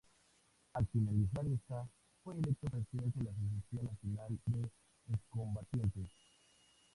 Al finalizar esta, fue electo presidente de la Asociación Nacional de Excombatientes.